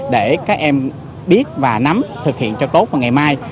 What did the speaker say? để các em biết và nắm thực hiện cho tốt vào ngày mai